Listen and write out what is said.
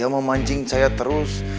memancing saya terus